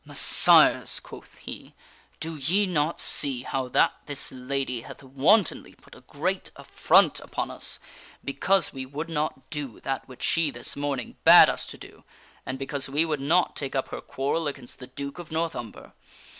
" Messires," quoth he, " do knights ye not see how that this lady hath wantonly put a great ' an s r y affront upon us because we would not do that which she this morning bade us to do, and because we would not take up her quarrel against the Duke of North Umber?